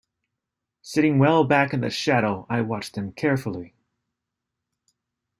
Sitting well back in the shadow I watched them carefully.